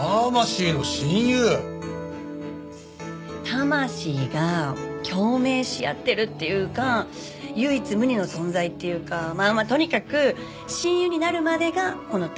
魂が共鳴し合ってるっていうか唯一無二の存在っていうかまあまあとにかく親友になるまでがこの第１巻。